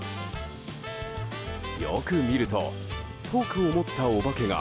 よく見るとフォークを持ったお化けが